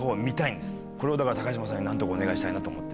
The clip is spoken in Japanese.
これをだから高嶋さんに何とかお願いしたいなと思って。